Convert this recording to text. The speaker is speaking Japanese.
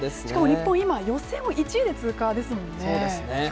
しかも日本、今、予選を１位で通過ですもんね。